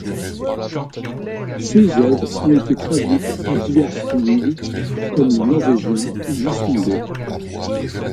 Ses œuvres ont été traduites à diverses langues comme le norvégien ou l'islandais.